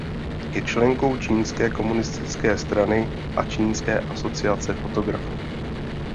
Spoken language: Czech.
Je členkou čínské komunistické strany a Čínské asociace fotografů.